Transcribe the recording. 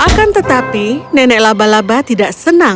akan tetapi nenek labalaba tidak senang